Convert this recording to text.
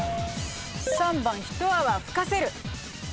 ３番一泡吹かせる。